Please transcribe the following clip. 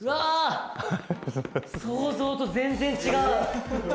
想像と全然違う。